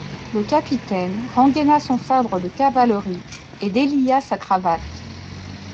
Le capitaine rengaina son sabre de cavalerie, et délia sa cravate.